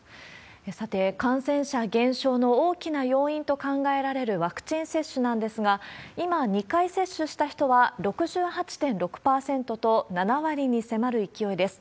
さて、感染者減少の大きな要因と考えられるワクチン接種なんですが、今、２回接種した人は６８．６％と、７割に迫る勢いです。